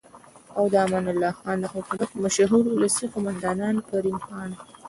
او د امان الله خان د حکومت مشهور ولسي قوماندان کریم خان